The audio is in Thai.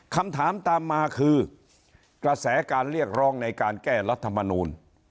คำถามตามมาคือกระแสการเรียกร้องในการแก้รัฐมนูล